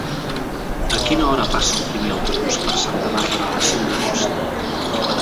A quina hora passa el primer autobús per Santa Bàrbara el cinc d'agost?